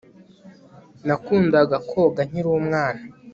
Nakundaga koga nkiri umwana